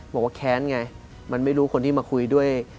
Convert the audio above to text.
บอกว่าแค้นไงมันไม่รู้คนที่มาคุยด้วย